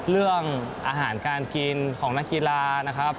เรื่องอาหารการกินของนักกีฬานะครับ